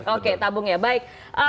oke tabung ya baik